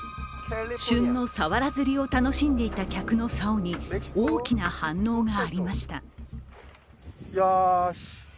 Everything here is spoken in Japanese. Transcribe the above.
旬のさわら釣りを楽しんでいた客のさおに大きな反応がありました。